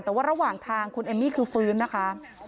แต่ว่าระหว่างทางคุณเอมมี่คือฟื้นนะคะ